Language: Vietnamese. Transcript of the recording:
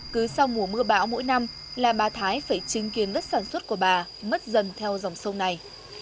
cứ sau mùa mưa bão mỗi năm là bà thái phải chứng kiến đất sản xuất của bà mất dần theo dòng sông này